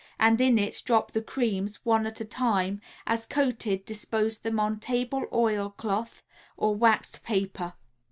and in it drop the creams, one at a time; as coated dispose them on table oil cloth or waxed paper.